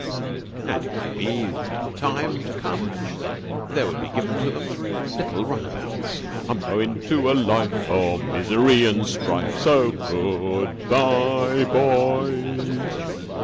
And it might be that in time to come there would be given to them little runabouts. I'm going to a life Of misery and strife, So good bye, boys!